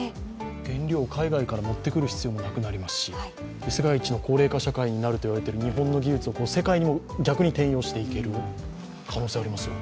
原料、海外から持ってくる必要もなくなりますし世界一の高齢化社会になるといわれている日本の技術を世界にも逆に転用していける可能性がありますね。